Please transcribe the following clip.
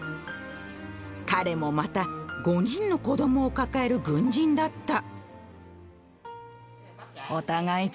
彼もまた５人の子供を抱える軍人だった。